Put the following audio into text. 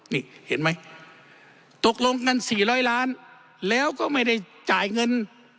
นี่เห็นไหมตกลงเงินสี่ร้อยล้านแล้วก็ไม่ได้จ่ายเงิน